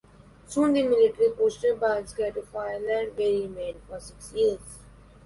Soon the military posted Baratynsky to Finland, where he remained for six years.